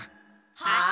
はあ？